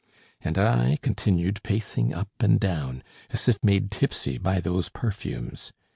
And I continued pacing up and down, as if made tipsy by those perfumes.